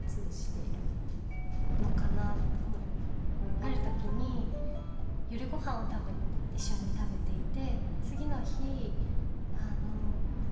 ある時に、夜ごはんを一緒に食べていて。